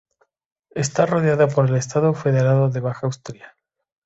Está rodeada por el Estado federado de Baja Austria.